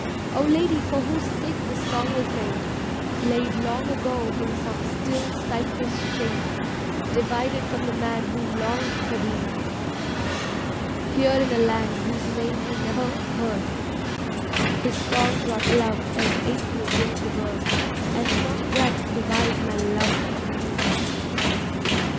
Oh lady for whose sake the song was made, Laid long ago in some still cypress shade, Divided from the man who longed for thee, Here in a land whose name he never heard, His song brought love as April brings the bird, And not a breath divides my love from me!